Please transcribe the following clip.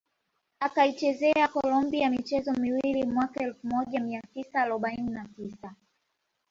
Akaichezea Colombia michezo miwili mwaka elfu moja mia tisa arobaini na tisa